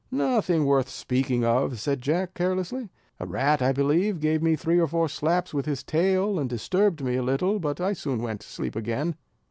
"Nothing worth speaking of," said Jack carelessly; "a rat, I believe, gave me three or four slaps with his tail, and disturbed me a little; but I soon went to sleep again."